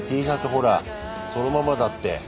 ほらそのままだって。